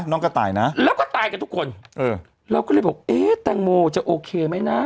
กระต่ายนะแล้วก็ตายกันทุกคนเออเราก็เลยบอกเอ๊ะแตงโมจะโอเคไหมนะ